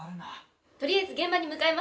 とりあえず現場に向かいます。